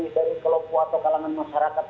dari kelompok atau kalangan masyarakat